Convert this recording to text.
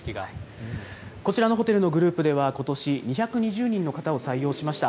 こちらのホテルのグループでは、ことし２２０人の方を採用しました。